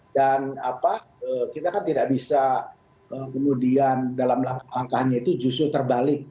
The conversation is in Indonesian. dan kita kan tidak bisa kemudian dalam langkah langkahnya itu justru terbalik